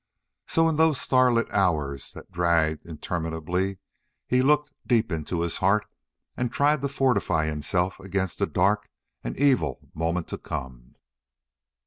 So in those starlit hours that dragged interminably he looked deep into his heart and tried to fortify himself against a dark and evil moment to come.